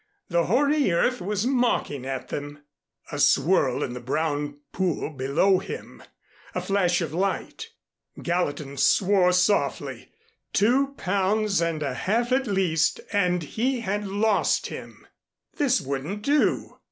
The hoary earth was mocking at them. A swirl in the brown pool below him, a flash of light! Gallatin swore softly. Two pounds and a half at least! And he had lost him! This wouldn't do.